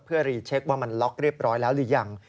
เพื่อรีเช็คว่ามันล็อกเรียบร้อยแล้วหรือยัง